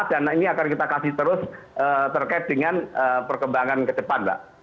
dan ini akan kita kasih terus terkait dengan perkembangan ke depan mbak